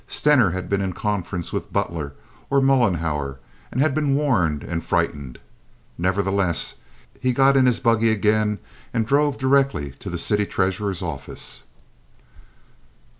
Stener had been in conference with Butler or Mollenhauer, and had been warned and frightened. Nevertheless, he got in his buggy again and drove directly to the city treasurer's office.